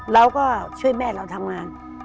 เราก็ช่วยแม่เราทำงาน